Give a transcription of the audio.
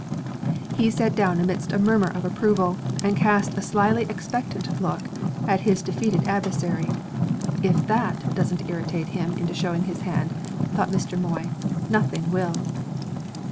He sat down amidst a murmur of approval, and cast a slyly expectant look at his defeated adversary. "If that doesn't irritate him into showing his hand," thought Mr. Moy, "nothing will!"